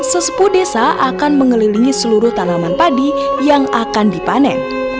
sesepuh desa akan mengelilingi seluruh tanaman padi yang akan dipanen